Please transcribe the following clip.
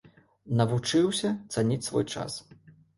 Навучыўся цаніць свой час.